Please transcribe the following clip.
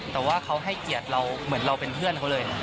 แต่ว่าเขาให้เกียรติเราเหมือนเราเป็นเพื่อนเขาเลย